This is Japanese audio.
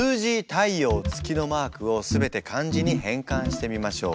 太陽月のマークを全て漢字に変換してみましょう。